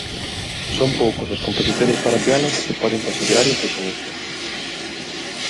Son poucos os compositores para piano que se poden considerar impresionistas.